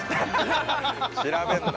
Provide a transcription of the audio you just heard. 調べんなよ